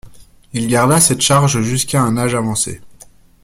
Il garda cette charge jusqu’à un âge avancé.